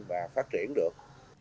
và phát triển được